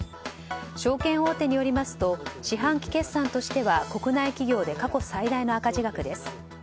証券大手によりますと四半期決算としては国内企業で過去最大の赤字額です。